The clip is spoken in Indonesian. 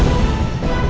betul pak kades saya setuju